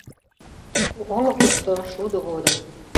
Олыкышто шудо годым.